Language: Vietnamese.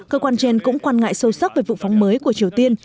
cơ quan trên cũng quan ngại sâu sắc về vụ phóng mới của triều tiên